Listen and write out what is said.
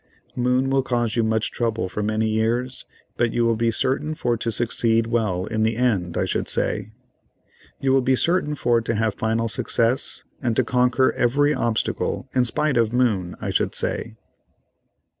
Moon will cause you much trouble for many years, but you will be certain for to succeed well in the end, I should say. You will be certain for to have final success and to conquer every obstacle, in spite of Moon, I should say."